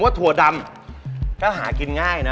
ถั่วดำก็หากินง่ายนะ